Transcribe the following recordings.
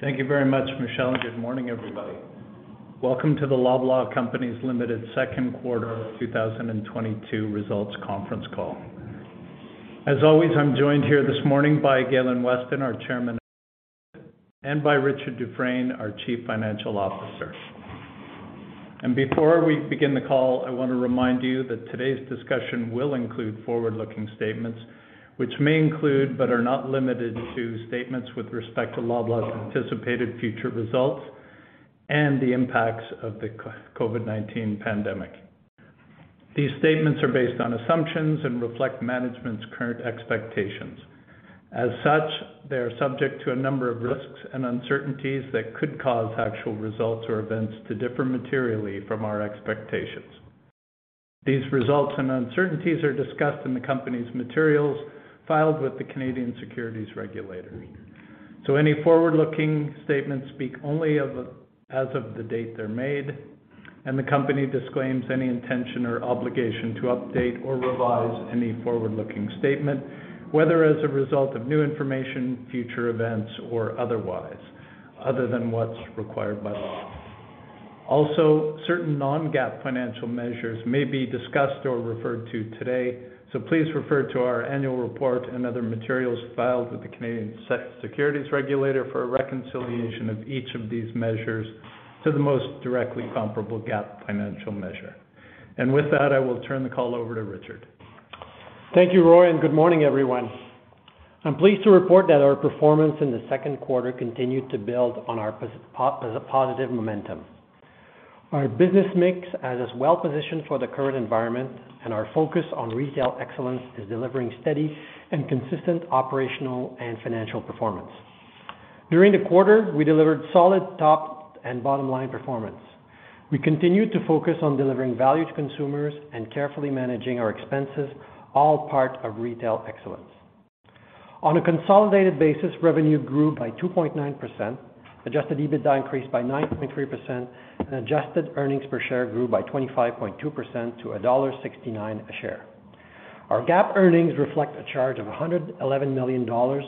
Thank you very much, Michelle, and good morning, everybody. Welcome to the Loblaw Companies Limited second quarter 2022 results conference call. As always, I'm joined here this morning by Galen Weston, our chairman, and by Richard Dufresne, our chief financial officer. Before we begin the call, I wanna remind you that today's discussion will include forward-looking statements, which may include, but are not limited to, statements with respect to Loblaw's anticipated future results and the impacts of the COVID-19 pandemic. These statements are based on assumptions and reflect management's current expectations. As such, they are subject to a number of risks and uncertainties that could cause actual results or events to differ materially from our expectations. These results and uncertainties are discussed in the company's materials filed with the Canadian Securities Regulators. Any forward-looking statements speak only of, as of the date they're made, and the company disclaims any intention or obligation to update or revise any forward-looking statement, whether as a result of new information, future events, or otherwise, other than what's required by law. Also, certain non-GAAP financial measures may be discussed or referred to today. Please refer to our annual report and other materials filed with the Canadian Securities Regulators for a reconciliation of each of these measures to the most directly comparable GAAP financial measure. With that, I will turn the call over to Richard. Thank you, Roy, and good morning, everyone. I'm pleased to report that our performance in the second quarter continued to build on our positive momentum. Our business mix, as is well-positioned for the current environment and our focus on retail excellence, is delivering steady and consistent operational and financial performance. During the quarter, we delivered solid top and bottom-line performance. We continued to focus on delivering value to consumers and carefully managing our expenses, all part of retail excellence. On a consolidated basis, revenue grew by 2.9%, adjusted EBITDA increased by 9.3%, and adjusted earnings per share grew by 25.2% to dollar 1.69 a share. Our GAAP earnings reflect a charge of 111 million dollars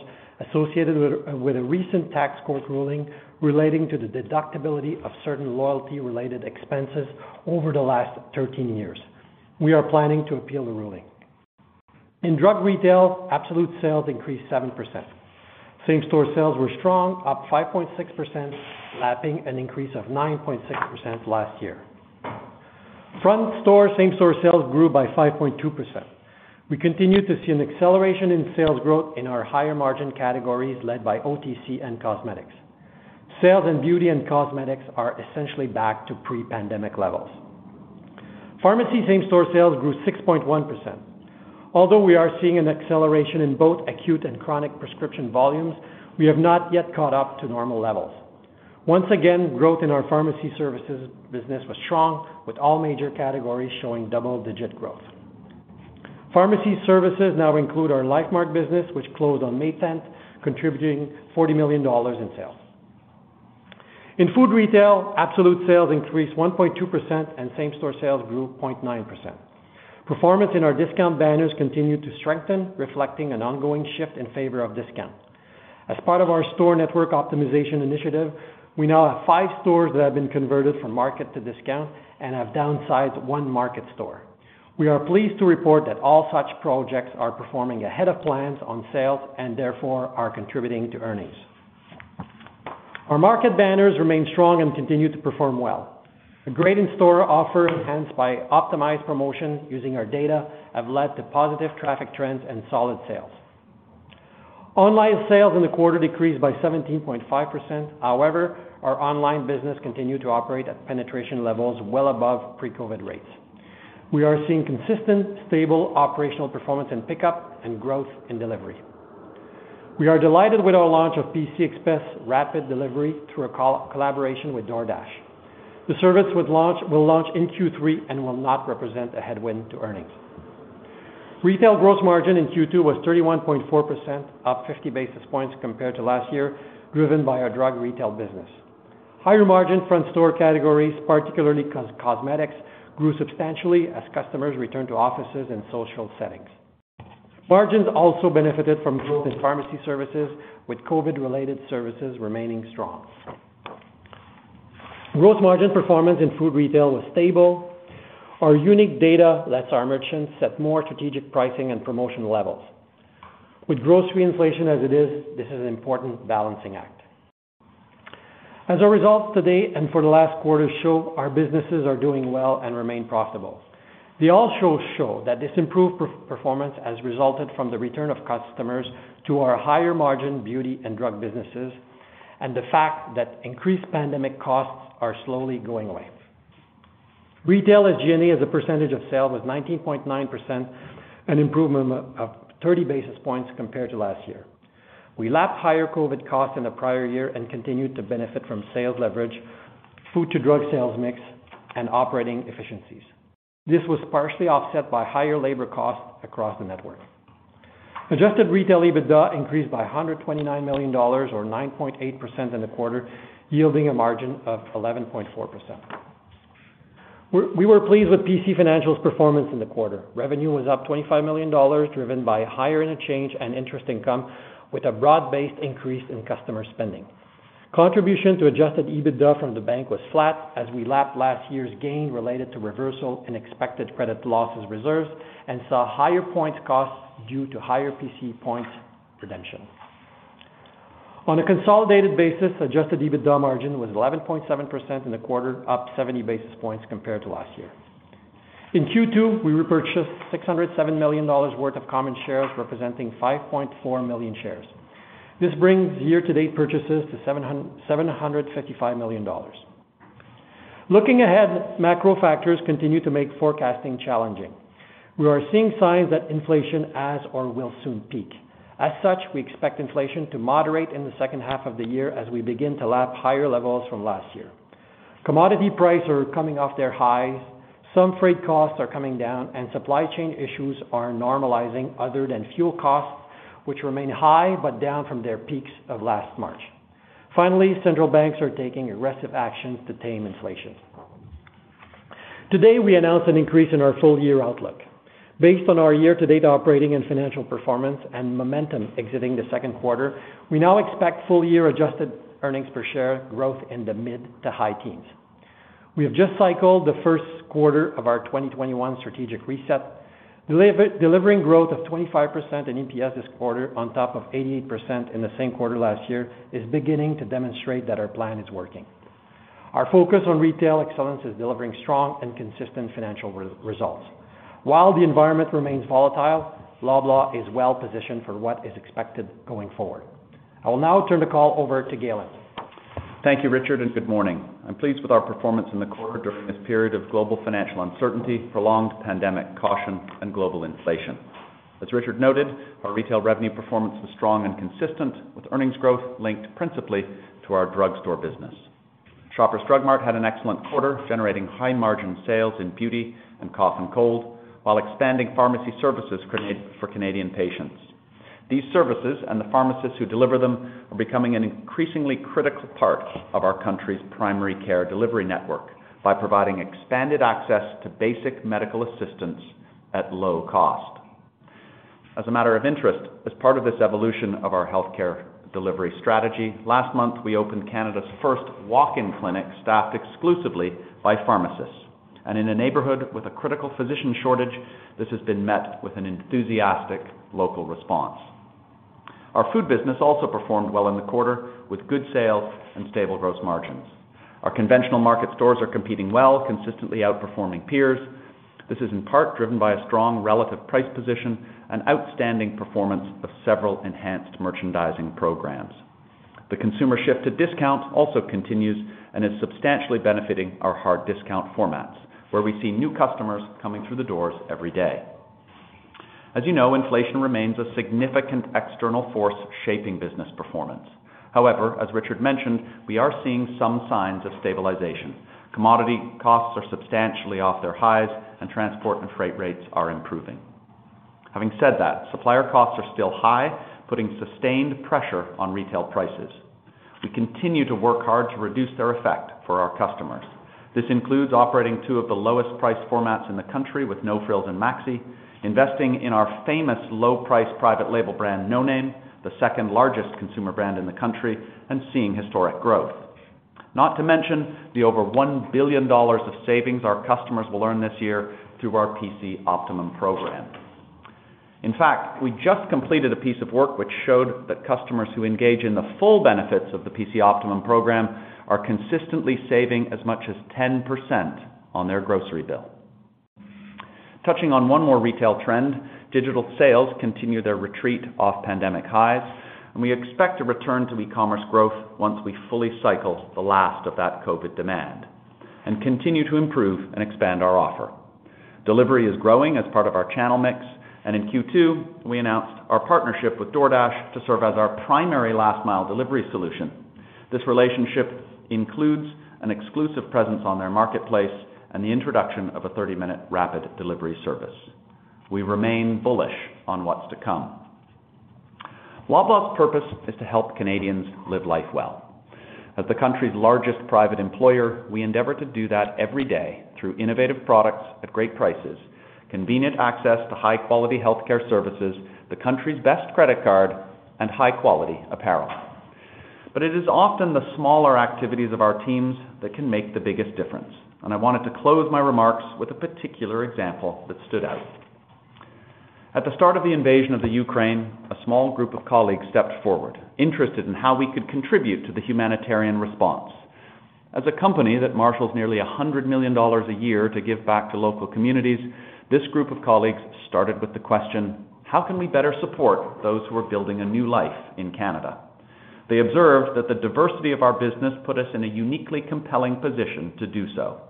associated with a recent tax court ruling relating to the deductibility of certain loyalty-related expenses over the last 13 years. We are planning to appeal the ruling. In drug retail, absolute sales increased 7%. Same-store sales were strong, up 5.6%, lapping an increase of 9.6% last year. Front store same-store sales grew by 5.2%. We continued to see an acceleration in sales growth in our higher-margin categories led by OTC and cosmetics. Sales in beauty and cosmetics are essentially back to pre-pandemic levels. Pharmacy same-store sales grew 6.1%. Although we are seeing an acceleration in both acute and chronic prescription volumes, we have not yet caught up to normal levels. Once again, growth in our pharmacy services business was strong, with all major categories showing double-digit growth. Pharmacy services now include our Lifemark business, which closed on May 10th, contributing CAD 40 million in sales. In food retail, absolute sales increased 1.2%, and same-store sales grew 0.9%. Performance in our discount banners continued to strengthen, reflecting an ongoing shift in favor of discount. As part of our store network optimization initiative, we now have five stores that have been converted from market to discount and have downsized one market store. We are pleased to report that all such projects are performing ahead of plans on sales and therefore are contributing to earnings. Our market banners remain strong and continue to perform well. A great in-store offer, enhanced by optimized promotion using our data, have led to positive traffic trends and solid sales. Online sales in the quarter decreased by 17.5%. However, our online business continued to operate at penetration levels well above pre-COVID rates. We are seeing consistent, stable operational performance and pickup and growth in delivery. We are delighted with our launch of PC Express Rapid Delivery through a collaboration with DoorDash. The service will launch in Q3 and will not represent a headwind to earnings. Retail gross margin in Q2 was 31.4%, up 50 basis points compared to last year, driven by our drug retail business. Higher margin front store categories, particularly cosmetics, grew substantially as customers returned to offices and social settings. Margins also benefited from growth in pharmacy services, with COVID-related services remaining strong. Gross margin performance in food retail was stable. Our unique data lets our merchants set more strategic pricing and promotion levels. With grocery inflation as it is, this is an important balancing act. As a result, today and for the last quarter show our businesses are doing well and remain profitable. They also show that this improved performance has resulted from the return of customers to our higher-margin beauty and drug businesses and the fact that increased pandemic costs are slowly going away. Retail SG&A as a percentage of sales was 19.9%, an improvement of 30 basis points compared to last year. We lapped higher COVID costs in the prior year and continued to benefit from sales leverage, food to drug sales mix, and operating efficiencies. This was partially offset by higher labor costs across the network. Adjusted retail EBITDA increased by 129 million dollars or 9.8% in the quarter, yielding a margin of 11.4%. We were pleased with PC Financial's performance in the quarter. Revenue was up 25 million dollars, driven by higher interchange and interest income, with a broad-based increase in customer spending. Contribution to adjusted EBITDA from the bank was flat as we lapped last year's gain related to reversal in expected credit losses reserves and saw higher points costs due to higher PC points redemption. On a consolidated basis, adjusted EBITDA margin was 11.7% in the quarter, up 70 basis points compared to last year. In Q2, we repurchased 607 million dollars worth of common shares, representing 5.4 million shares. This brings year-to-date purchases to 755 million dollars. Looking ahead, macro factors continue to make forecasting challenging. We are seeing signs that inflation has or will soon peak. As such, we expect inflation to moderate in the second half of the year as we begin to lap higher levels from last year. Commodity prices are coming off their highs, some freight costs are coming down, and supply chain issues are normalizing other than fuel costs, which remain high, but down from their peaks of last March. Finally, central banks are taking aggressive actions to tame inflation. Today, we announced an increase in our full-year outlook. Based on our year-to-date operating and financial performance and momentum exiting the second quarter, we now expect full-year adjusted earnings per share growth in the mid to high teens. We have just cycled the first quarter of our 2021 strategic reset. Delivering growth of 25% in EPS this quarter on top of 88% in the same quarter last year is beginning to demonstrate that our plan is working. Our focus on retail excellence is delivering strong and consistent financial results. While the environment remains volatile, Loblaw is well-positioned for what is expected going forward. I will now turn the call over to Galen. Thank you, Richard, and good morning. I'm pleased with our performance in the quarter during this period of global financial uncertainty, prolonged pandemic caution, and global inflation. As Richard noted, our retail revenue performance was strong and consistent, with earnings growth linked principally to our drugstore business. Shoppers Drug Mart had an excellent quarter, generating high-margin sales in beauty and cough and cold, while expanding pharmacy services created for Canadian patients. These services and the pharmacists who deliver them are becoming an increasingly critical part of our country's primary care delivery network by providing expanded access to basic medical assistance at low cost. As a matter of interest, as part of this evolution of our healthcare delivery strategy, last month, we opened Canada's first walk-in clinic staffed exclusively by pharmacists. In a neighborhood with a critical physician shortage, this has been met with an enthusiastic local response. Our food business also performed well in the quarter with good sales and stable gross margins. Our conventional market stores are competing well, consistently outperforming peers. This is in part driven by a strong relative price position and outstanding performance of several enhanced merchandising programs. The consumer shift to discount also continues and is substantially benefiting our hard discount formats, where we see new customers coming through the doors every day. As you know, inflation remains a significant external force shaping business performance. However, as Richard mentioned, we are seeing some signs of stabilization. Commodity costs are substantially off their highs and transport and freight rates are improving. Having said that, supplier costs are still high, putting sustained pressure on retail prices. We continue to work hard to reduce their effect for our customers. This includes operating two of the lowest price formats in the country with No Frills and Maxi, investing in our famous low-price private label brand, No Name, the second largest consumer brand in the country, and seeing historic growth. Not to mention the over 1 billion dollars of savings our customers will earn this year through our PC Optimum program. In fact, we just completed a piece of work which showed that customers who engage in the full benefits of the PC Optimum program are consistently saving as much as 10% on their grocery bill. Touching on one more retail trend, digital sales continue their retreat off pandemic highs, and we expect to return to e-commerce growth once we fully cycle the last of that COVID demand and continue to improve and expand our offer. Delivery is growing as part of our channel mix, and in Q2, we announced our partnership with DoorDash to serve as our primary last mile delivery solution. This relationship includes an exclusive presence on their marketplace and the introduction of a 30-minute rapid delivery service. We remain bullish on what's to come. Loblaw's purpose is to help Canadians live life well. As the country's largest private employer, we endeavor to do that every day through innovative products at great prices, convenient access to high-quality healthcare services, the country's best credit card, and high-quality apparel. It is often the smaller activities of our teams that can make the biggest difference, and I wanted to close my remarks with a particular example that stood out. At the start of the invasion of the Ukraine, a small group of colleagues stepped forward, interested in how we could contribute to the humanitarian response. As a company that marshals nearly 100 million dollars a year to give back to local communities, this group of colleagues started with the question: How can we better support those who are building a new life in Canada? They observed that the diversity of our business put us in a uniquely compelling position to do so.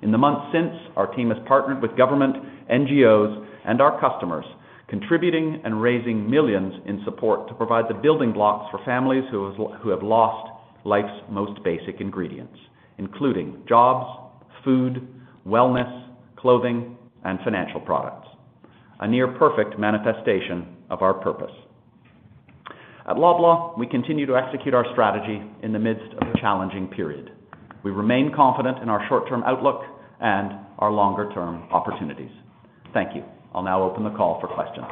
In the months since, our team has partnered with government, NGOs, and our customers, contributing and raising millions in support to provide the building blocks for families who have lost life's most basic ingredients, including jobs, food, wellness, clothing, and financial products. A near perfect manifestation of our purpose. At Loblaw, we continue to execute our strategy in the midst of a challenging period. We remain confident in our short-term outlook and our longer-term opportunities. Thank you. I'll now open the call for questions.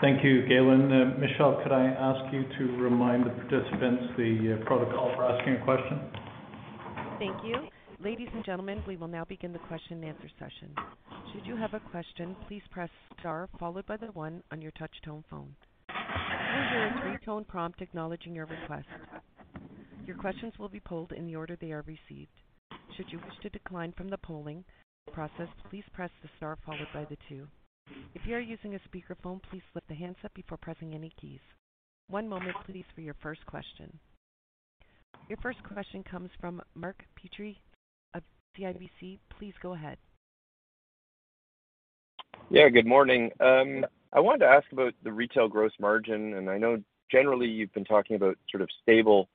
Thank you, Galen. Michelle, could I ask you to remind the participants the protocol for asking a question? Thank you. Ladies and gentlemen, we will now begin the question and answer session. Should you have a question, please press star followed by the one on your touch tone phone. You will hear a three-tone prompt acknowledging your request. Your questions will be pulled in the order they are received. Should you wish to decline from the polling process, please press the star followed by the two. If you are using a speakerphone, please lift the handset before pressing any keys. One moment please for your first question. Your first question comes from Mark Petrie of CIBC. Please go ahead. Yeah, good morning. I wanted to ask about the retail gross margin. I know generally you've been talking about sort of stable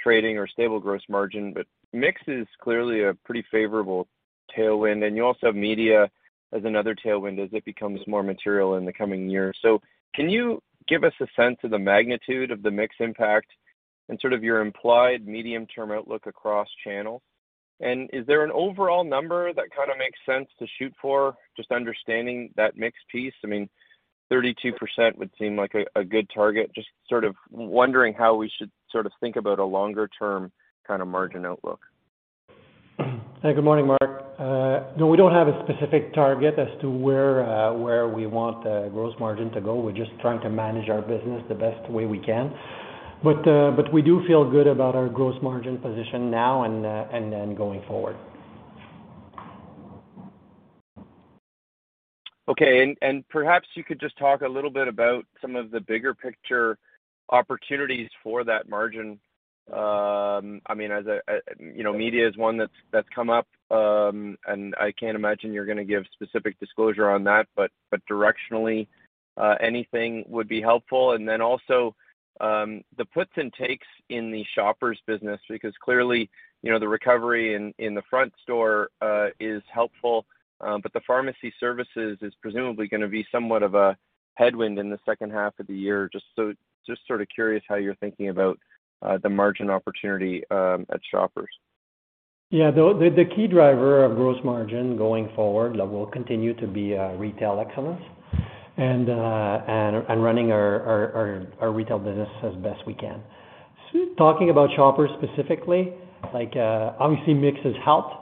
trading or stable gross margin, but mix is clearly a pretty favorable tailwind. You also have media as another tailwind as it becomes more material in the coming years. Can you give us a sense of the magnitude of the mix impact and sort of your implied medium-term outlook across channels? Is there an overall number that kind of makes sense to shoot for just understanding that mix piece? I mean, 32% would seem like a good target. Just sort of wondering how we should sort of think about a longer-term kind of margin outlook. Good morning, Mark. No, we don't have a specific target as to where we want gross margin to go. We're just trying to manage our business the best way we can. We do feel good about our gross margin position now and then going forward. Okay. Perhaps you could just talk a little bit about some of the bigger picture opportunities for that margin. I mean, as a, you know, media is one that's come up, and I can't imagine you're gonna give specific disclosure on that, but directionally, anything would be helpful. Then also, the puts and takes in the Shoppers' business, because clearly, you know, the recovery in the front store is helpful, but the pharmacy services is presumably gonna be somewhat of a headwind in the second half of the year. Just sort of curious how you're thinking about the margin opportunity at Shoppers. Yeah. The key driver of gross margin going forward that will continue to be retail excellence and running our retail business as best we can. Talking about Shoppers specifically, like, obviously mix has helped.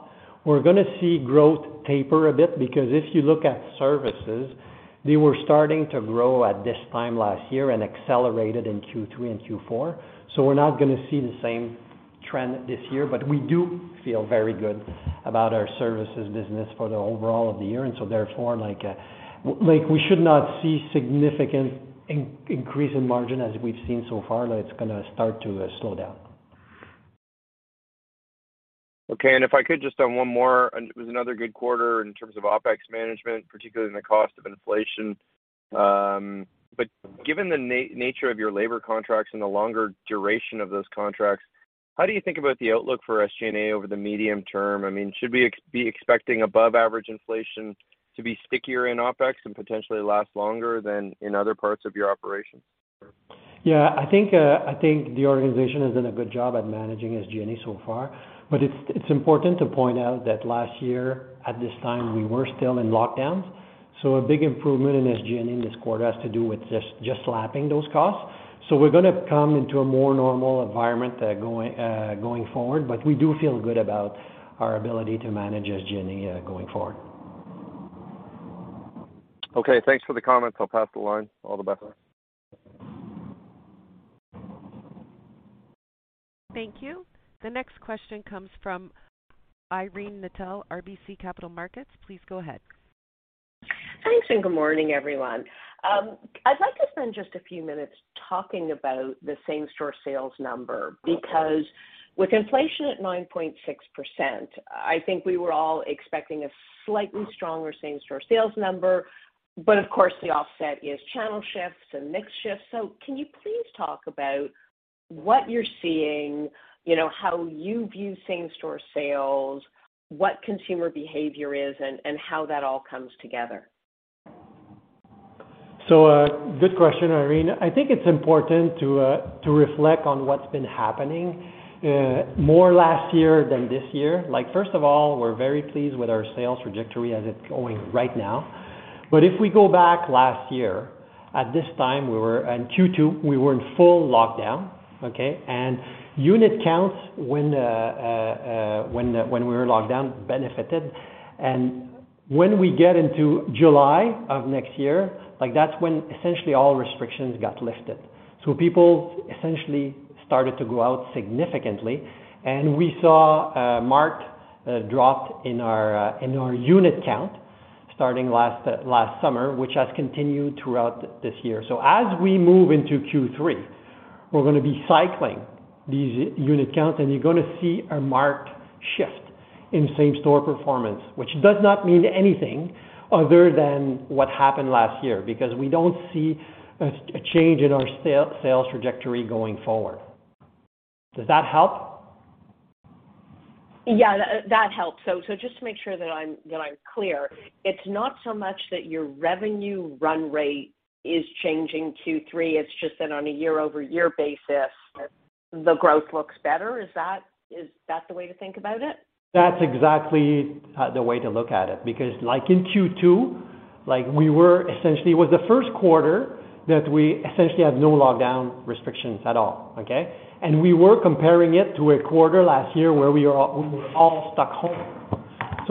We're gonna see growth taper a bit because if you look at services, they were starting to grow at this time last year and accelerated in Q3 and Q4. So we're not gonna see the same trend this year, but we do feel very good about our services business for the overall of the year. Therefore, like, we should not see significant increase in margin as we've seen so far. It's gonna start to slow down. Okay. If I could just on one more, it was another good quarter in terms of OpEx management, particularly in the cost of inflation. But given the nature of your labor contracts and the longer duration of those contracts, how do you think about the outlook for SG&A over the medium-term? I mean, should we be expecting above average inflation to be stickier in OpEx and potentially last longer than in other parts of your operations? Yeah. I think the organization has done a good job at managing SG&A so far. It's important to point out that last year at this time, we were still in lockdowns, so a big improvement in SG&A in this quarter has to do with just slashing those costs. We're gonna come into a more normal environment going forward, but we do feel good about our ability to manage SG&A going forward. Okay, thanks for the comments. I'll pass the line. All the best. Thank you. The next question comes from Irene Nattel, RBC Capital Markets. Please go ahead. Thanks, good morning, everyone. I'd like to spend just a few minutes talking about the same-store sales number, because with inflation at 9.6%, I think we were all expecting a slightly stronger same-store sales number. Of course, the offset is channel shifts and mix shifts. Can you please talk about what you're seeing, you know, how you view same-store sales, what consumer behavior is and how that all comes together? Good question, Irene. I think it's important to reflect on what's been happening more last year than this year. Like, first of all, we're very pleased with our sales trajectory as it's going right now. If we go back last year, at this time, we were in Q2, we were in full lockdown, okay? Unit counts when we were in lockdown benefited. When we get into July of next year, like, that's when essentially all restrictions got lifted. People essentially started to go out significantly. We saw a marked drop in our unit count starting last summer, which has continued throughout this year. As we move into Q3, we're gonna be cycling these unit counts, and you're gonna see a marked shift in same-store performance, which does not mean anything other than what happened last year, because we don't see a change in our sales trajectory going forward. Does that help? Yeah, that helps. Just to make sure that I'm clear, it's not so much that your revenue run rate is changing Q3, it's just that on a year-over-year basis, the growth looks better. Is that the way to think about it? That's exactly the way to look at it. In Q2, it was the first quarter that we essentially had no lockdown restrictions at all, okay? We were comparing it to a quarter last year where we were all stuck home.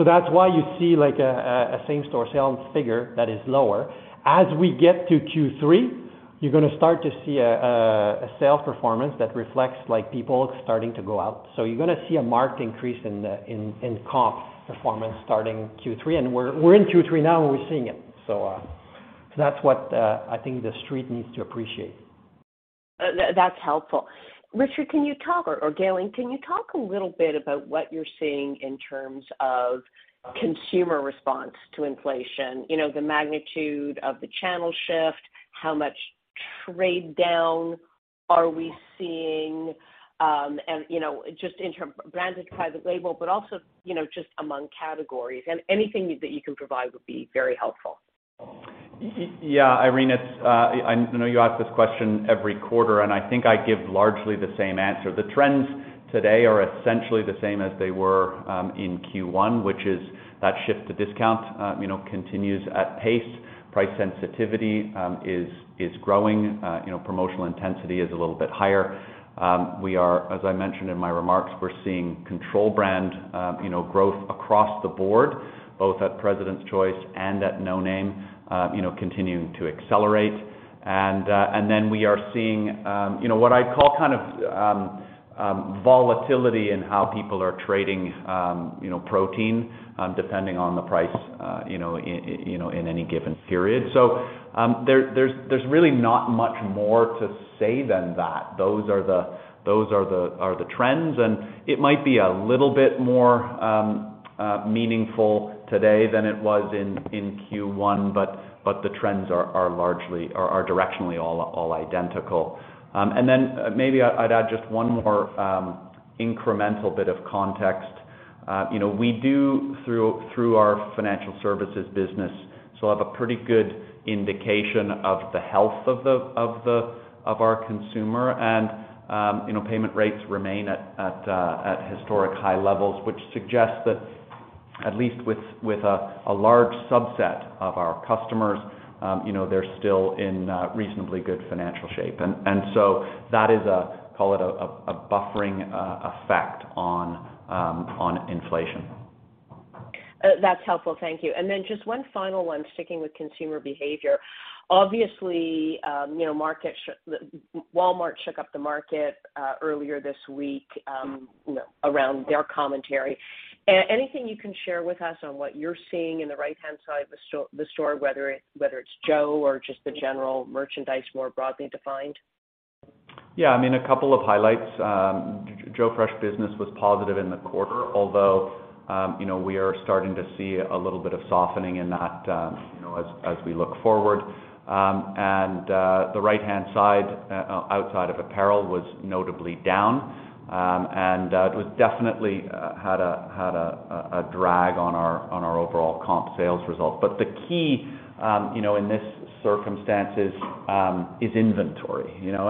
That's why you see like a same-store sales figure that is lower. As we get to Q3, you're gonna start to see a sales performance that reflects like people starting to go out. You're gonna see a marked increase in comp performance starting Q3. We're in Q3 now and we're seeing it. That's what I think the Street needs to appreciate. That's helpful. Richard, can you talk, or Galen, can you talk a little bit about what you're seeing in terms of consumer response to inflation? You know, the magnitude of the channel shift, how much trade down are we seeing, and, you know, just in terms of branded private label, but also, you know, just among categories. Anything that you can provide would be very helpful. Yeah, Irene, I know you ask this question every quarter, and I think I give largely the same answer. The trends today are essentially the same as they were in Q1, which is that shift to discount you know continues at pace. Price sensitivity is growing. You know, promotional intensity is a little bit higher. We are, as I mentioned in my remarks, we're seeing control brand you know growth across the board, both at President's Choice and at No Name you know continuing to accelerate. Then we are seeing you know what I'd call kind of volatility in how people are trading you know protein depending on the price you know you know in any given period. There's really not much more to say than that. Those are the trends. It might be a little bit more meaningful today than it was in Q1, but the trends are largely directionally all identical. Then maybe I'd add just one more incremental bit of context. You know, we do through our financial services business so have a pretty good indication of the health of our consumer. You know, payment rates remain at historic high levels, which suggests that at least with a large subset of our customers, you know, they're still in reasonably good financial shape. That is a call it a buffering effect on inflation. That's helpful. Thank you. Just one final one, sticking with consumer behavior. Obviously, you know, Walmart shook up the market earlier this week, you know, around their commentary. Anything you can share with us on what you're seeing in the right-hand side of the store, whether it's Joe or just the general merchandise more broadly defined? Yeah, I mean, a couple of highlights. Joe Fresh business was positive in the quarter, although, you know, we are starting to see a little bit of softening in that, you know, as we look forward. The right-hand side outside of apparel was notably down. It was definitely had a drag on our overall comp sales results. The key you know in this circumstance is inventory, you know.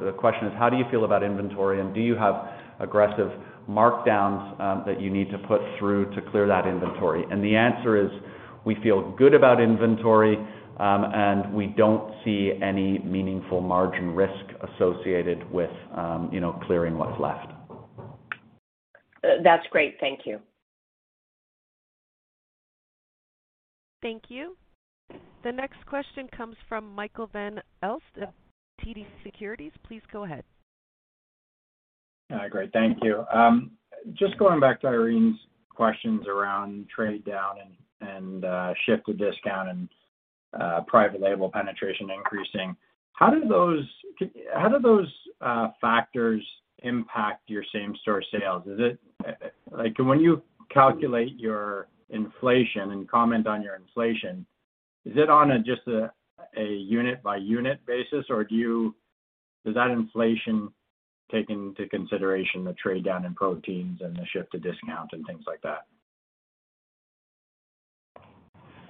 The question is, how do you feel about inventory, and do you have aggressive markdowns that you need to put through to clear that inventory? The answer is, we feel good about inventory, and we don't see any meaningful margin risk associated with you know clearing what's left. That's great. Thank you. Thank you. The next question comes from Michael Van Aelst of TD Securities. Please go ahead. Great. Thank you. Just going back to Irene's questions around trade down and shift to discount and private label penetration increasing. How do those factors impact your same store sales? Is it like when you calculate your inflation and comment on your inflation, is it on a just a unit-by-unit basis, or does that inflation take into consideration the trade down in proteins and the shift to discount and things like that?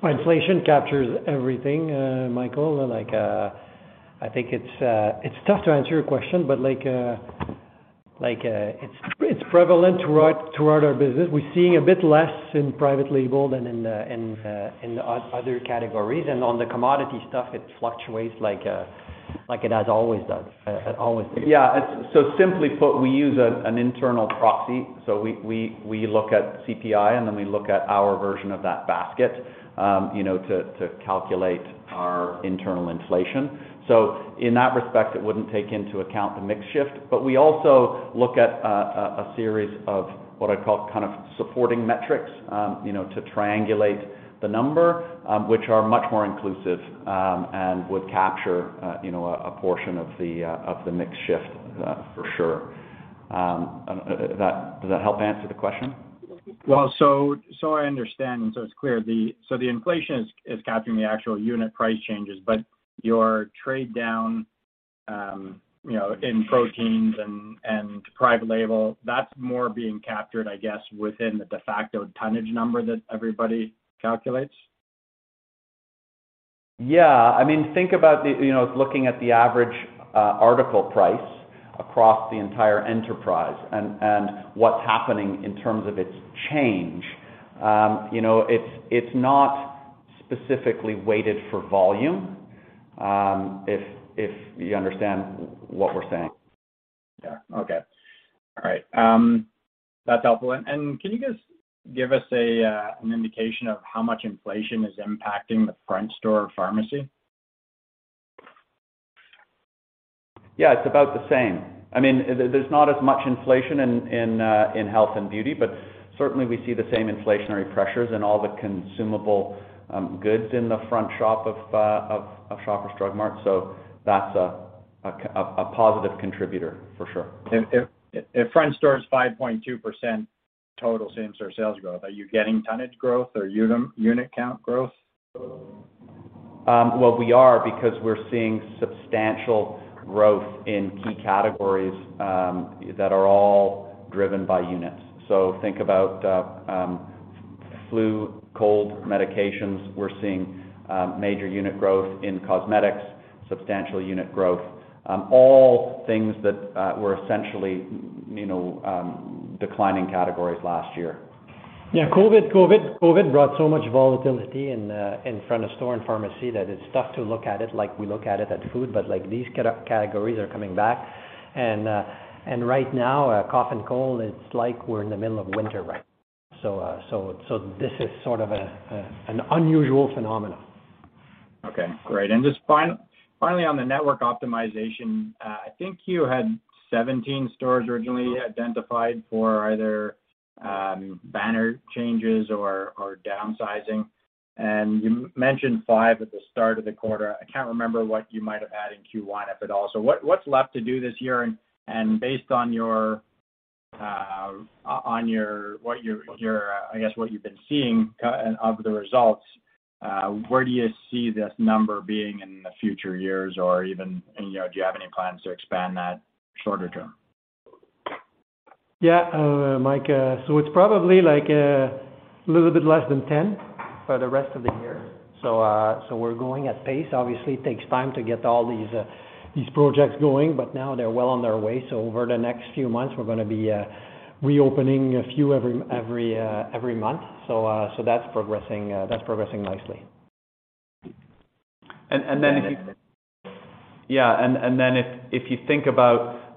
Inflation captures everything, Michael. Like, I think it's tough to answer your question, but like, it's prevalent throughout our business. We're seeing a bit less in private label than in other categories. On the commodity stuff, it fluctuates like it has always done. Yeah. Simply put, we use an internal proxy. We look at CPI, and then we look at our version of that basket, you know, to calculate our internal inflation. In that respect, it wouldn't take into account the mix shift. We also look at a series of what I'd call kind of supporting metrics, you know, to triangulate the number, which are much more inclusive, and would capture, you know, a portion of the mix shift, for sure. Does that help answer the question? Well, I understand, and it's clear. The inflation is capturing the actual unit price changes, but your trade down, you know, in proteins and private label, that's more being captured, I guess, within the de facto tonnage number that everybody calculates. Yeah. I mean, think about the, you know, looking at the average article price across the entire enterprise and what's happening in terms of its change. You know, it's not specifically weighted for volume, if you understand what we're saying. Yeah. Okay. All right. That's helpful. Can you guys give us a, an indication of how much inflation is impacting the front store pharmacy? Yeah, it's about the same. I mean, there's not as much inflation in health and beauty, but certainly we see the same inflationary pressures in all the consumable goods in the front shop of Shoppers Drug Mart. That's a positive contributor for sure. If front store is 5.2% total same store sales growth, are you getting tonnage growth or unit count growth? Well, we are because we're seeing substantial growth in key categories that are all driven by units. Think about flu, cold medications. We're seeing major unit growth in cosmetics, substantial unit growth, all things that were essentially, you know, declining categories last year. Yeah, COVID brought so much volatility in front of store and pharmacy that it's tough to look at it like we look at it at food. Like, these categories are coming back. Right now, cough and cold, it's like we're in the middle of winter right now. This is sort of an unusual phenomenon. Okay, great. Just finally, on the network optimization, I think you had 17 stores originally identified for either banner changes or downsizing. You mentioned five at the start of the quarter. I can't remember what you might have had in Q1, if at all. What's left to do this year? Based on what you've been seeing kind of the results, where do you see this number being in the future years or even, you know, do you have any plans to expand that shorter-term? Yeah, Mike, it's probably like a little bit less than 10 for the rest of the year. We're going at pace. Obviously, it takes time to get all these projects going, but now they're well on their way. Over the next few months, we're gonna be reopening a few every month. That's progressing nicely. If you think about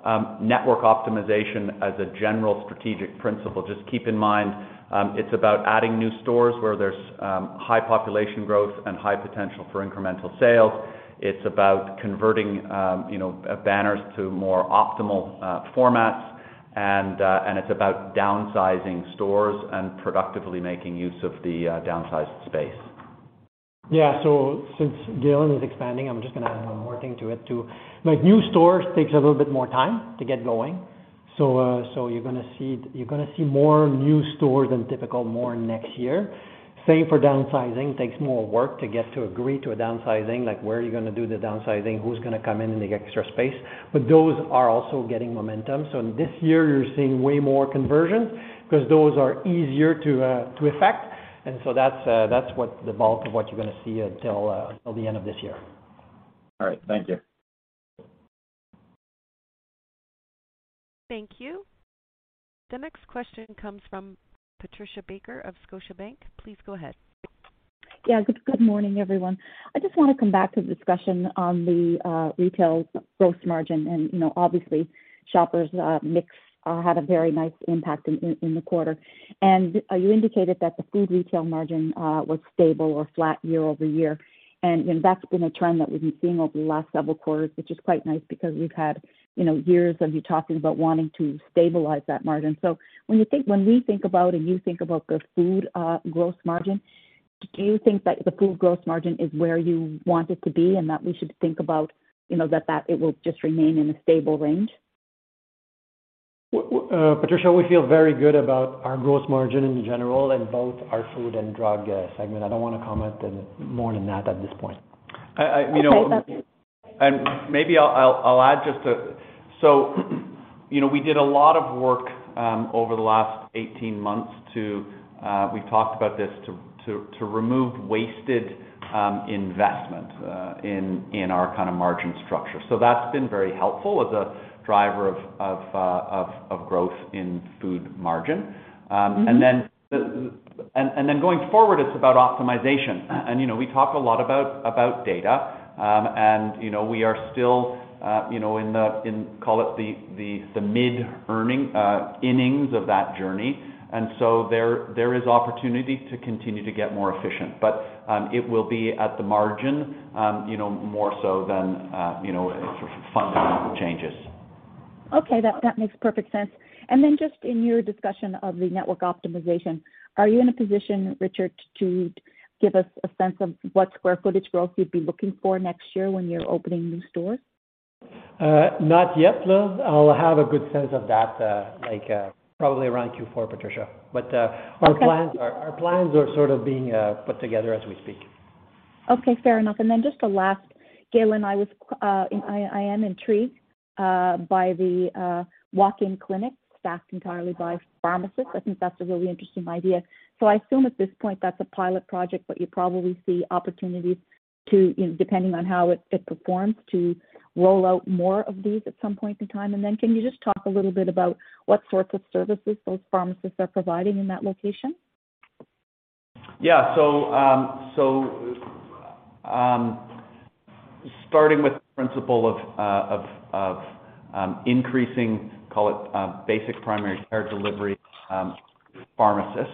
network optimization as a general strategic principle, just keep in mind, it's about adding new stores where there's high population growth and high potential for incremental sales. It's about converting, you know, banners to more optimal formats. It's about downsizing stores and productively making use of the downsized space. Yeah. Since Galen Weston is expanding, I'm just gonna add one more thing to it too. Like, new stores takes a little bit more time to get going. You're gonna see more new stores than typical more next year. Same for downsizing. Takes more work to get to agree to a downsizing. Like, where are you gonna do the downsizing? Who's gonna come in in the extra space? Those are also getting momentum. This year, you're seeing way more conversion 'cause those are easier to affect. That's what the bulk of what you're gonna see until till the end of this year. All right. Thank you. Thank you. The next question comes from Patricia Baker of Scotiabank. Please go ahead. Yeah. Good morning, everyone. I just wanna come back to the discussion on the retail gross margin. You know, obviously, Shoppers mix had a very nice impact in the quarter. You indicated that the food retail margin was stable or flat year-over-year. That's been a trend that we've been seeing over the last several quarters, which is quite nice because we've had, you know, years of you talking about wanting to stabilize that margin. So when we think about and you think about the food gross margin, do you think that the food gross margin is where you want it to be and that we should think about, you know, that it will just remain in a stable range? Patricia, we feel very good about our gross margin in general in both our food and drug segment. I don't wanna comment more than that at this point. Okay. You know, maybe I'll add just. You know, we did a lot of work over the last 18 months to, we've talked about this, to remove wasted investment in our kinda margin structure. That's been very helpful as a driver of growth in food margin. Mm-hmm. Going forward, it's about optimization. You know, we talk a lot about data. You know, we are still you know call it the middle innings of that journey. There is opportunity to continue to get more efficient, but it will be at the margin, you know, more so than fundamental changes. Okay. That makes perfect sense. Just in your discussion of the network optimization, are you in a position, Richard, to give us a sense of what square footage growth you'd be looking for next year when you're opening new stores? Not yet, love. I'll have a good sense of that, like, probably around Q4, Patricia. Okay. Our plans are sort of being put together as we speak. Okay, fair enough. Just the last, Galen, I am intrigued by the walk-in clinic staffed entirely by pharmacists. I think that's a really interesting idea. I assume at this point that's a pilot project, but you probably see opportunities to, you know, depending on how it performs, to roll out more of these at some point in time. Can you just talk a little bit about what sorts of services those pharmacists are providing in that location? Yeah. Starting with the principle of increasing, call it, basic primary care delivery, pharmacists,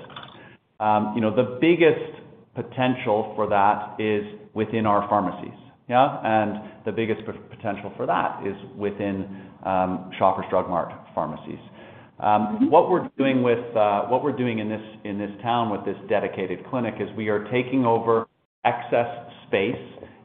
you know, the biggest potential for that is within our pharmacies. Yeah. The biggest potential for that is within Shoppers Drug Mart pharmacies. Mm-hmm. What we're doing in this town with this dedicated clinic is we are taking over excess space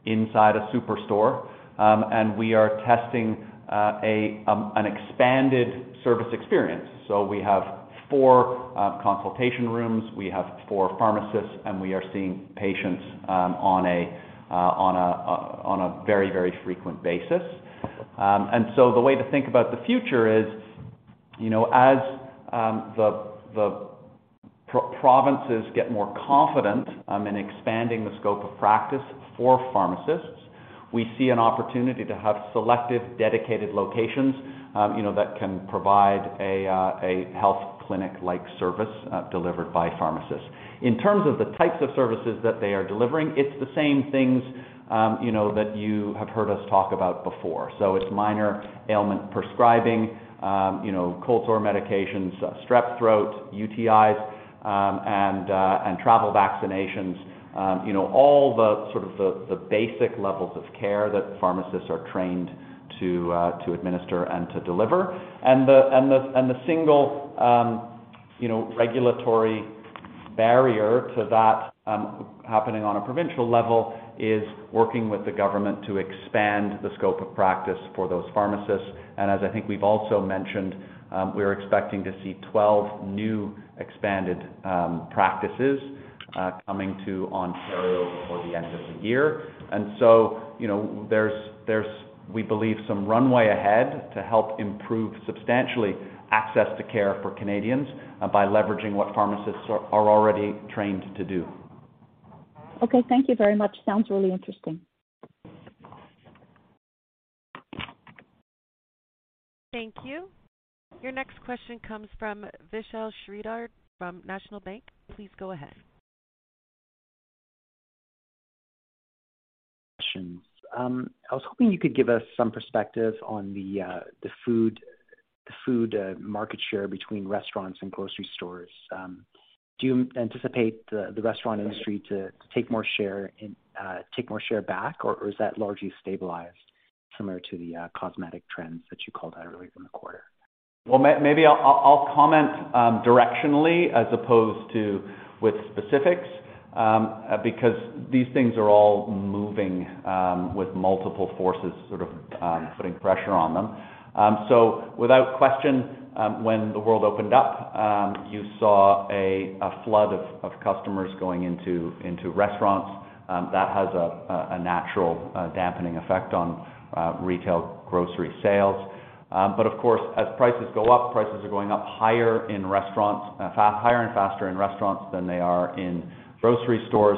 inside a superstore, and we are testing an expanded service experience. We have four consultation rooms, we have four pharmacists, and we are seeing patients on a very frequent basis. The way to think about the future is, you know, as the provinces get more confident in expanding the scope of practice for pharmacists, we see an opportunity to have selective dedicated locations, you know, that can provide a health clinic-like service delivered by pharmacists. In terms of the types of services that they are delivering, it's the same things, you know, that you have heard us talk about before. It's minor ailment prescribing, you know, cold sore medications, strep throat, UTIs, and travel vaccinations, you know, all the sort of the basic levels of care that pharmacists are trained to administer and to deliver. The single, you know, regulatory barrier to that happening on a provincial level is working with the government to expand the scope of practice for those pharmacists. As I think we've also mentioned, we're expecting to see 12 new expanded practices coming to Ontario before the end of the year. You know, there's, we believe, some runway ahead to help improve substantially access to care for Canadians by leveraging what pharmacists are already trained to do. Okay. Thank you very much. Sounds really interesting. Thank you. Your next question comes from Vishal Shreedhar from National Bank Financial. Please go ahead. I was hoping you could give us some perspective on the food market share between restaurants and grocery stores. Do you anticipate the restaurant industry to take more share and take more share back, or is that largely stabilized similar to the cosmetic trends that you called out earlier in the quarter? Well, maybe I'll comment directionally as opposed to with specifics, because these things are all moving with multiple forces sort of putting pressure on them. Without question, when the world opened up, you saw a flood of customers going into restaurants. That has a natural dampening effect on retail grocery sales. Of course, as prices go up, prices are going up higher in restaurants, higher and faster in restaurants than they are in grocery stores.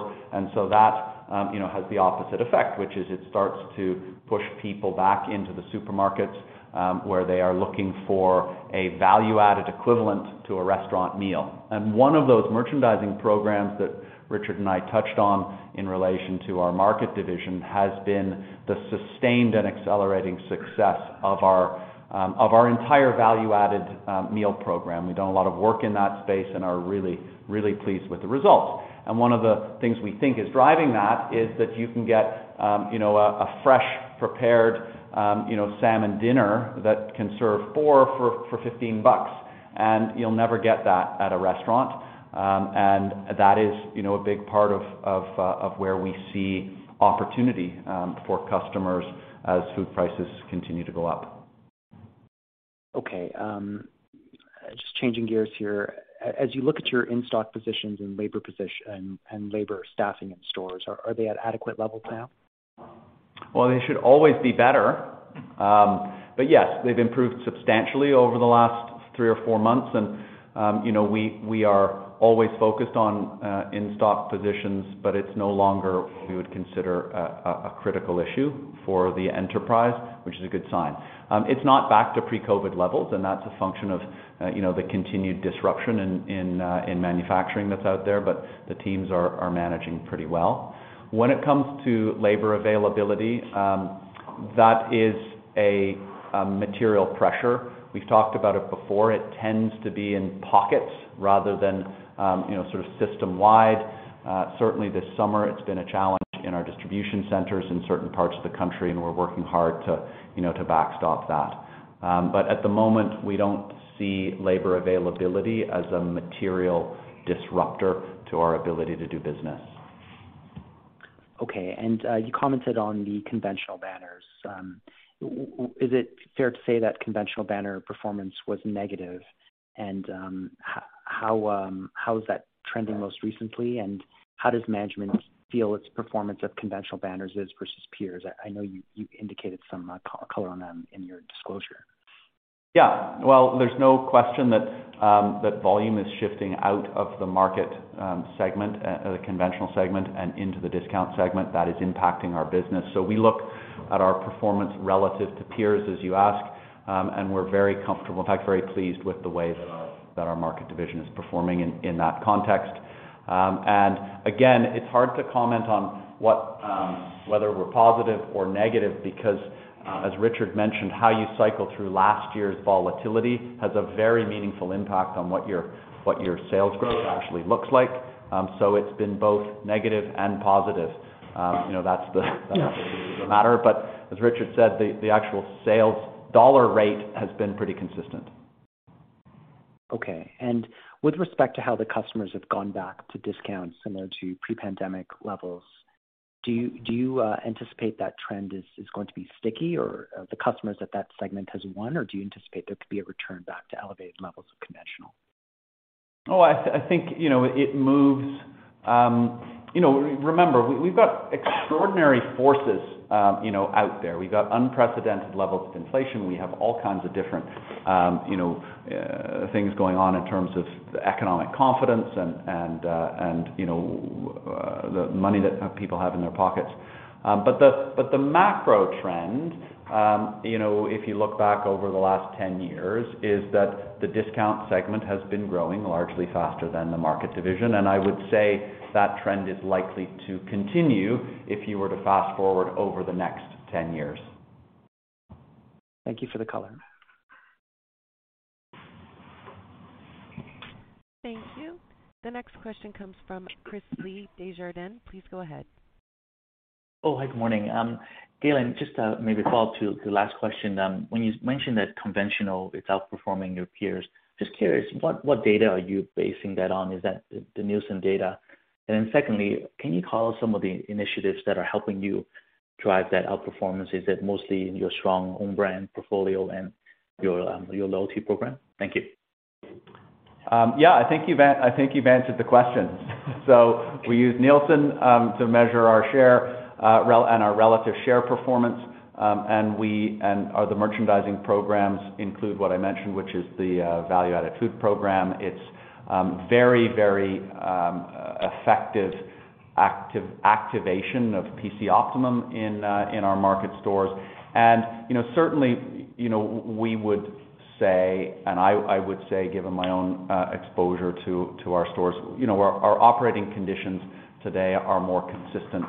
That you know has the opposite effect, which is it starts to push people back into the supermarkets, where they are looking for a value-added equivalent to a restaurant meal. One of those merchandising programs that Richard and I touched on in relation to our market division has been the sustained and accelerating success of our entire value-added meal program. We've done a lot of work in that space and are really, really pleased with the results. One of the things we think is driving that is that you can get you know, a fresh prepared you know, salmon dinner that can serve four for 15 bucks, and you'll never get that at a restaurant. That is you know, a big part of where we see opportunity for customers as food prices continue to go up. Okay. Just changing gears here. As you look at your in-stock positions and labor position, and labor staffing in stores, are they at adequate levels now? Well, they should always be better. Yes, they've improved substantially over the last three or four months. You know, we are always focused on in-stock positions, but it's no longer what we would consider a critical issue for the enterprise, which is a good sign. It's not back to pre-COVID levels, and that's a function of you know, the continued disruption in manufacturing that's out there, but the teams are managing pretty well. When it comes to labor availability, that is a material pressure. We've talked about it before. It tends to be in pockets rather than you know, sort of system-wide. Certainly this summer it's been a challenge in our distribution centers in certain parts of the country, and we're working hard to you know, to backstop that. At the moment, we don't see labor availability as a material disruptor to our ability to do business. Okay. You commented on the conventional banners. Is it fair to say that conventional banner performance was negative? How is that trending most recently? How does management feel its performance of conventional banners is versus peers? I know you indicated some color on them in your disclosure. Yeah. Well, there's no question that volume is shifting out of the market segment, the conventional segment and into the discount segment that is impacting our business. We look at our performance relative to peers, as you ask, and we're very comfortable. In fact, very pleased with the way that our market division is performing in that context. Again, it's hard to comment on what whether we're positive or negative because, as Richard mentioned, how you cycle through last year's volatility has a very meaningful impact on what your sales growth actually looks like. So it's been both negative and positive. You know, that's the. Yes. Matter. As Richard said, the actual sales dollar rate has been pretty consistent. With respect to how the customers have gone back to discounts similar to pre-pandemic levels, do you anticipate that trend is going to be sticky or the customers in that segment have won, or do you anticipate there could be a return back to elevated levels of consumption? Oh, I think, you know, it moves. You know, remember, we've got extraordinary forces, you know, out there. We've got unprecedented levels of inflation. We have all kinds of different, you know, things going on in terms of the economic confidence and, you know, the money that, people have in their pockets. But the macro trend, you know, if you look back over the last 10 years, is that the discount segment has been growing largely faster than the market division. I would say that trend is likely to continue if you were to fast-forward over the next 10 years. Thank you for the color. Thank you. The next question comes from Chris Li, Desjardins. Please go ahead. Oh, hi, good morning. Galen, just maybe a follow-up to the last question. When you mentioned that conventional is outperforming your peers, just curious, what data are you basing that on? Is that the Nielsen data? Then secondly, can you call out some of the initiatives that are helping you drive that outperformance? Is it mostly in your strong own brand portfolio and your loyalty program? Thank you. Yeah, I think you've answered the question. We use Nielsen to measure our share and our relative share performance. The merchandising programs include what I mentioned, which is the value-added food program. It's very effective activation of PC Optimum in our market stores. You know, certainly, you know, we would say, and I would say, given my own exposure to our stores, you know, our operating conditions today are more consistent,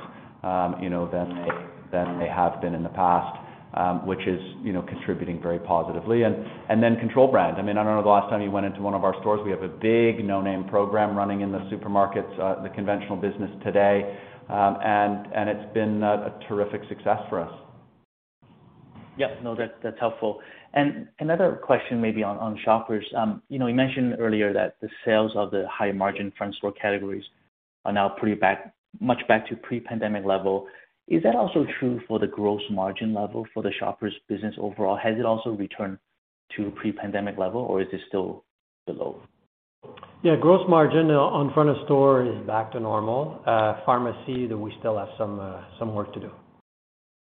you know, than they have been in the past, which is, you know, contributing very positively. Then control brand. I mean, I don't know the last time you went into one of our stores. We have a big No Name program running in the supermarkets, the conventional business today. It's been a terrific success for us. Yep. No, that's helpful. Another question maybe on Shoppers. You know, you mentioned earlier that the sales of the higher margin front-store categories are now pretty much back to pre-pandemic level. Is that also true for the gross margin level for the Shoppers' business overall? Has it also returned to pre-pandemic level, or is it still below? Yeah. Gross margin on front of store is back to normal. Pharmacy, that we still have some work to do.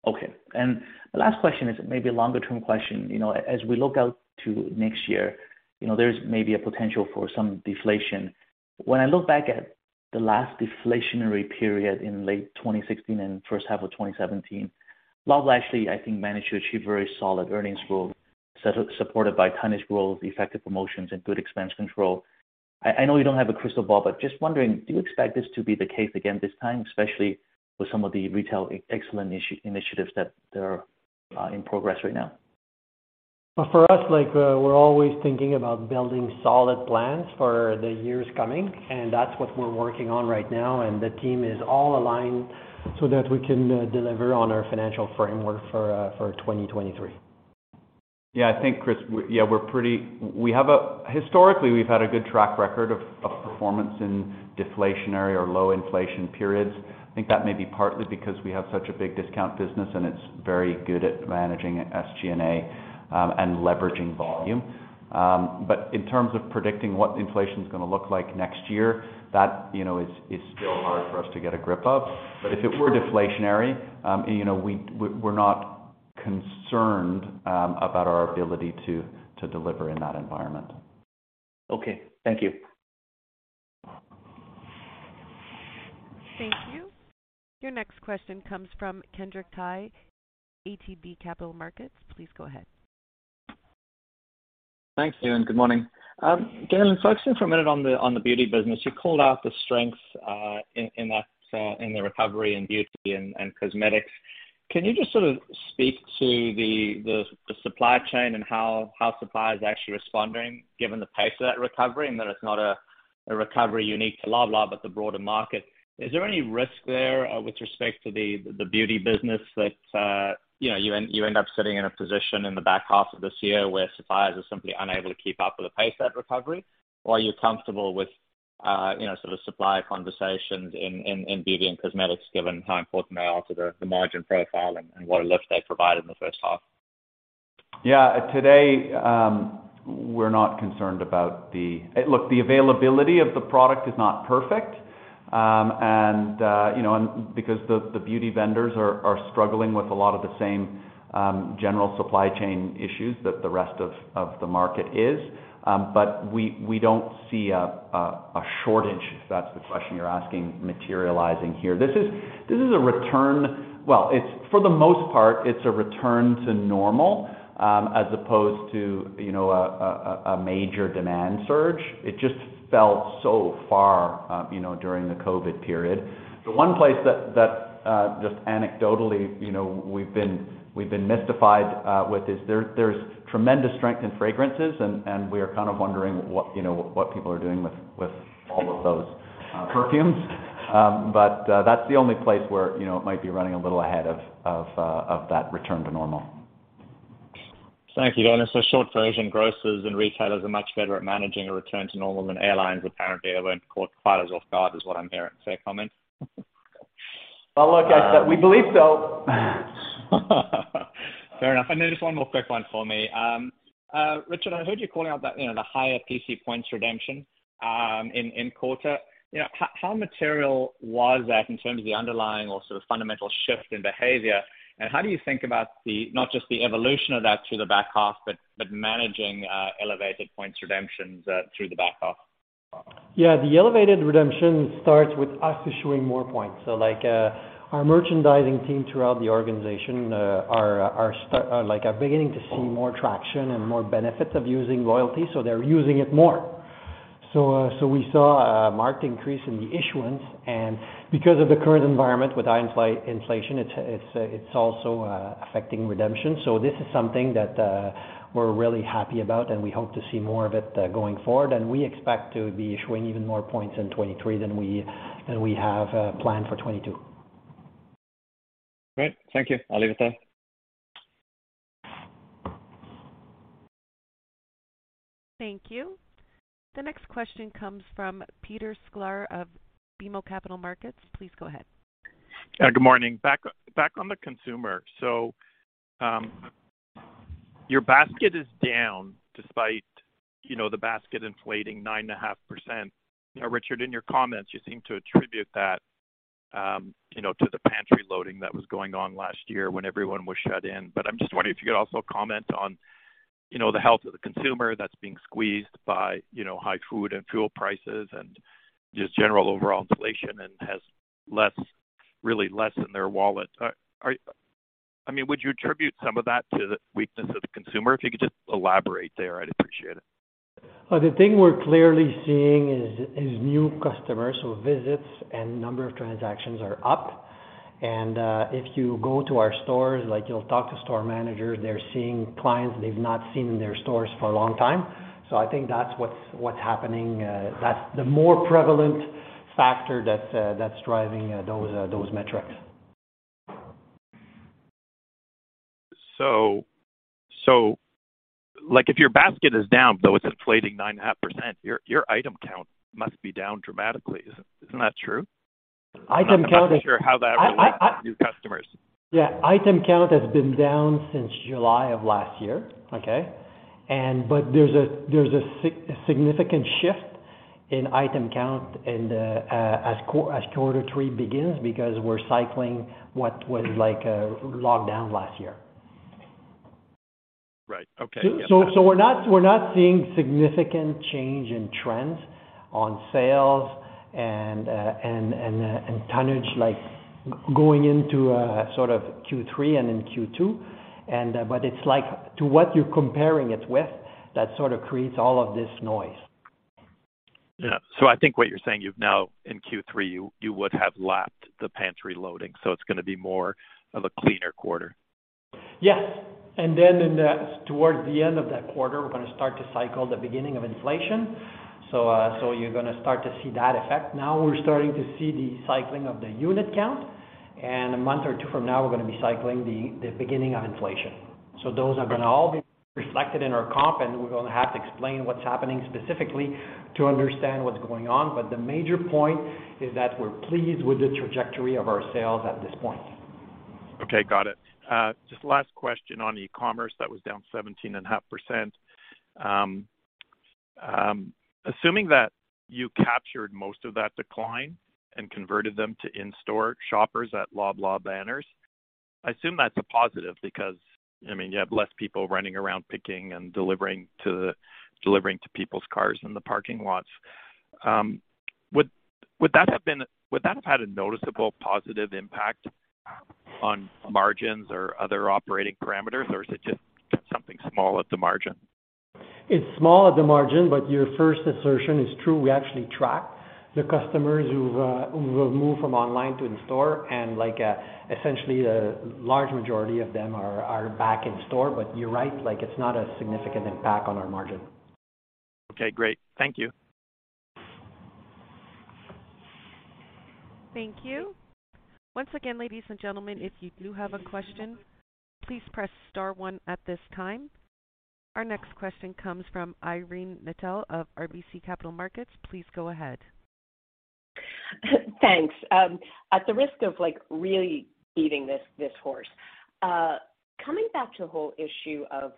Okay. The last question is maybe a longer-term question. You know, as we look out to next year, you know, there's maybe a potential for some deflation. When I look back at the last deflationary period in late 2016 and first half of 2017, Loblaw actually, I think, managed to achieve very solid earnings growth supported by tonnage growth, effective promotions, and good expense control. I know you don't have a crystal ball, but just wondering, do you expect this to be the case again this time, especially with some of the retail excellent initiatives that are in progress right now? For us, like, we're always thinking about building solid plans for the years coming, and that's what we're working on right now. The team is all aligned so that we can deliver on our financial framework for 2023. Yeah, I think, Chris. Historically, we've had a good track record of performance in deflationary or low inflation periods. I think that may be partly because we have such a big discount business, and it's very good at managing SG&A and leveraging volume. In terms of predicting what inflation's gonna look like next year, that, you know, is still hard for us to get a grip of. If it were deflationary, you know, we're not concerned about our ability to deliver in that environment. Okay. Thank you. Thank you. Your next question comes from Kenric Tyghe, ATB Capital Markets. Please go ahead. Thank you and good morning. Galen, focusing for a minute on the beauty business, you called out the strength in the recovery in beauty and cosmetics. Can you just sort of speak to the supply chain and how supply is actually responding given the pace of that recovery and that it's not a recovery unique to Loblaw but the broader market? Is there any risk there with respect to the beauty business that you know you end up sitting in a position in the back half of this year where suppliers are simply unable to keep up with the pace of that recovery? Are you comfortable with, you know, sort of supply conversations in beauty and cosmetics given how important they are to the margin profile and what a lift they provide in the first half? Yeah, today, we're not concerned. Look, the availability of the product is not perfect, and you know, because the beauty vendors are struggling with a lot of the same general supply chain issues that the rest of the market is. We don't see a shortage, if that's the question you're asking, materializing here. This is a return. Well, it's for the most part a return to normal, as opposed to, you know, a major demand surge. It just fell so far, you know, during the COVID period. The one place that just anecdotally, you know, we've been mystified with is that there's tremendous strength in fragrances and we are kind of wondering what, you know, what people are doing with all of those perfumes. That's the only place where, you know, it might be running a little ahead of that return to normal. Thank you, Galen Weston. Short version, grocers and retailers are much better at managing a return to normal than airlines. Apparently, they weren't caught quite as off guard is what I'm hearing. Fair comment? Well, look, we believe so. Fair enough. Just one more quick one for me. Richard, I heard you calling out that, you know, the higher PC points redemption in quarter. You know, how material was that in terms of the underlying or sort of fundamental shift in behavior? How do you think about the not just the evolution of that through the back half, but managing elevated points redemptions through the back half? Yeah, the elevated redemption starts with us issuing more points. Like, our merchandising team throughout the organization are beginning to see more traction and more benefits of using loyalty, so they're using it more. We saw a marked increase in the issuance. Because of the current environment with inflation, it's also affecting redemption. This is something that we're really happy about, and we hope to see more of it going forward. We expect to be issuing even more points in 2023 than we have planned for 2022. Great. Thank you. I'll leave it there. Thank you. The next question comes from Peter Sklar of BMO Capital Markets. Please go ahead. Yeah, good morning. Back on the consumer. Your basket is down despite, you know, the basket inflating 9.5%. Now, Richard, in your comments, you seem to attribute that, you know, to the pantry loading that was going on last year when everyone was shut in. I'm just wondering if you could also comment on, you know, the health of the consumer that's being squeezed by, you know, high food and fuel prices and just general overall inflation and has less in their wallet. I mean, would you attribute some of that to the weakness of the consumer? If you could just elaborate there, I'd appreciate it. The thing we're clearly seeing is new customers. Visits and number of transactions are up. If you go to our stores, like you'll talk to store managers, they're seeing clients they've not seen in their stores for a long time. I think that's what's happening. That's the more prevalent factor that's driving those metrics. Like, if your basket is down, though it's inflating 9.5%, your item count must be down dramatically. Isn't that true? Item count is. I'm not sure how that relates to new customers. Yeah. Item count has been down since July of last year. Okay. There's a significant shift in item count as quarter three begins because we're cycling what was like a lockdown last year. Right. Okay. Yeah. We're not seeing significant change in trends on sales and tonnage like going into sort of Q3 and in Q2. But it's like to what you're comparing it with that sort of creates all of this noise. Yeah. I think what you're saying, you've now in Q3, you would have lapped the pantry loading, so it's gonna be more of a cleaner quarter. Yes. Towards the end of that quarter, we're gonna start to cycle the beginning of inflation. You're gonna start to see that effect. Now we're starting to see the cycling of the unit count, and a month or two from now we're gonna be cycling the beginning of inflation. Those are gonna all be reflected in our comp, and we're gonna have to explain what's happening specifically to understand what's going on. The major point is that we're pleased with the trajectory of our sales at this point. Okay, got it. Just last question on e-commerce that was down 17.5%. Assuming that you captured most of that decline and converted them to in-store shoppers at Loblaw banners, I assume that's a positive because, I mean, you have less people running around picking and delivering to people's cars in the parking lots. Would that have had a noticeable positive impact on margins or other operating parameters, or is it just something small at the margin? It's small at the margin, but your first assertion is true. We actually track the customers who have moved from online to in store and like essentially the large majority of them are back in store. You're right, like it's not a significant impact on our margin. Okay, great. Thank you. Thank you. Once again, ladies and gentlemen, if you do have a question, please press star one at this time. Our next question comes from Irene Nattel of RBC Capital Markets. Please go ahead. Thanks. At the risk of, like, really beating this horse, coming back to the whole issue of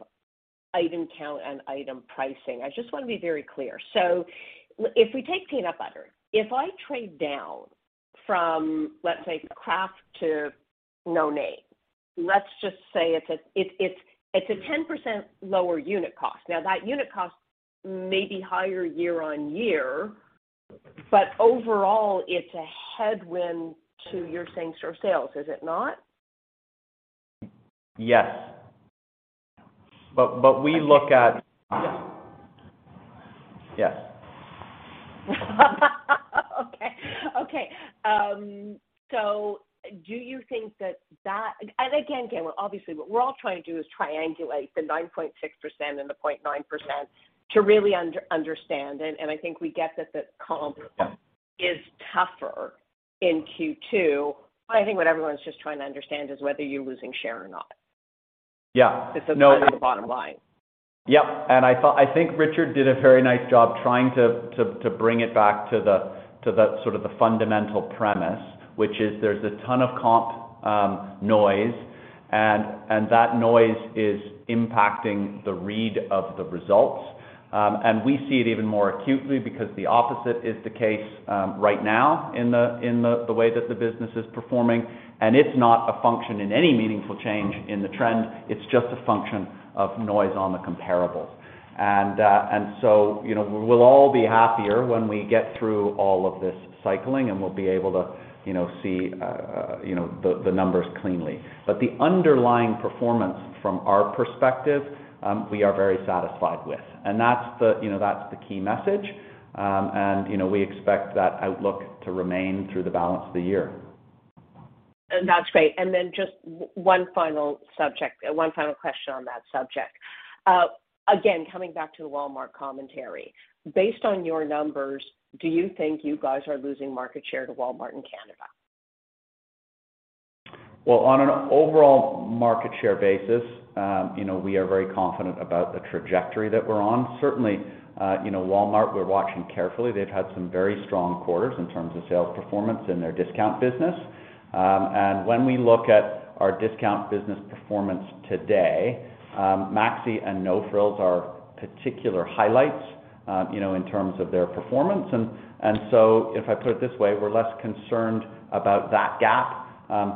item count and item pricing, I just wanna be very clear. If we take peanut butter, if I trade down from, let's say, Kraft to No Name, let's just say it's a 10% lower unit cost. Now, that unit cost may be higher year-over-year, but overall it's a headwind to your same-store sales, is it not? Yes. We look at. Okay. Yes. Do you think that again, Galen Weston, obviously what we're all trying to do is triangulate the 9.6% and the 0.9% to really understand it. I think we get that the comp is tougher in Q2. I think what everyone's just trying to understand is whether you're losing share or not. Yeah. No. It's kind of the bottom line. I think Richard did a very nice job trying to bring it back to the sort of the fundamental premise, which is there's a ton of comp noise and that noise is impacting the read of the results. We see it even more acutely because the opposite is the case right now in the way that the business is performing. It's not a function in any meaningful change in the trend, it's just a function of noise on the comparables. You know, we'll all be happier when we get through all of this cycling, and we'll be able to you know see you know the numbers cleanly. But the underlying performance from our perspective, we are very satisfied with. That's the key message, you know. We expect that outlook to remain through the balance of the year. That's great. Just one final subject, one final question on that subject. Again, coming back to the Walmart commentary. Based on your numbers, do you think you guys are losing market share to Walmart in Canada? Well, on an overall market share basis, you know, we are very confident about the trajectory that we're on. Certainly, you know, Walmart, we're watching carefully. They've had some very strong quarters in terms of sales performance in their discount business. When we look at our discount business performance today, Maxi and No Frills are particular highlights, you know, in terms of their performance. If I put it this way, we're less concerned about that gap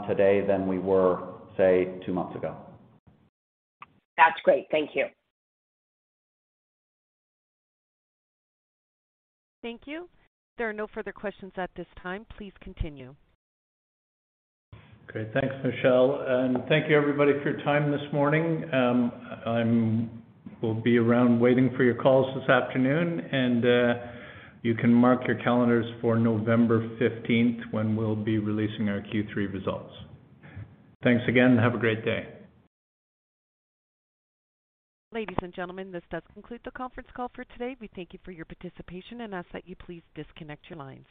today than we were, say, two months ago. That's great. Thank you. Thank you. There are no further questions at this time. Please continue. Great. Thanks, Michelle. Thank you, everybody, for your time this morning. We'll be around waiting for your calls this afternoon. You can mark your calendars for November 15th, when we'll be releasing our Q3 results. Thanks again, and have a great day. Ladies and gentlemen, this does conclude the conference call for today. We thank you for your participation and ask that you please disconnect your lines.